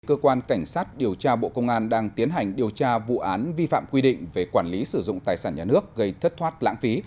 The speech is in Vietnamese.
cơ quan cảnh sát điều tra bộ công an đang tiến hành điều tra vụ án vi phạm quy định về quản lý sử dụng tài sản nhà nước gây thất thoát lãng phí